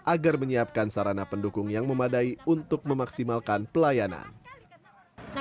agar menyiapkan sarana pendukung yang memadai untuk memaksimalkan pelayanan